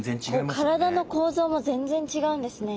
体の構造も全然違うんですね。